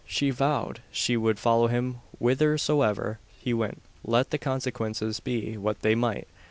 She vowed she would follow him whithersoever he went, let the consequences be what they might.